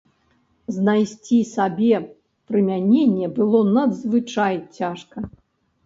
Знайсці сабе прымяненне было надзвычай цяжка.